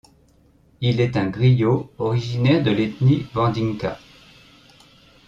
Il est un griot, originaire de l'ethnie Mandinka.